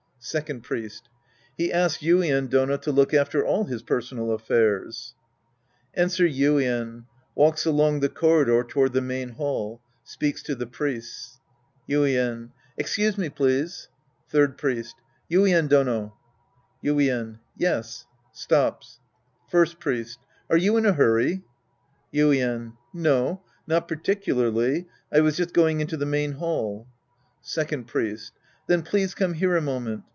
Second Priest. He asks Yuien Dono to look after all his personal affairs. {JEnter Yuien. Walks along the corridor toward tfie main hall. Speaks to tite Priests.) Yuien. Excuse me, please. Third PHest. Yuien Dono. Yuien. Yes. {Stops.) First Priest. Are you in a hurry ? Yuien. No. Not particularly. I was just going into the main hall. Second Priest. Then please come here a moment.